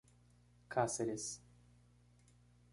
Cáceres